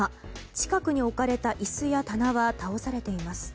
近くに置かれた椅子や棚は倒されています。